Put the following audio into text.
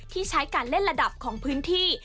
ที่ใช้การเล่นระดับของพื้นที่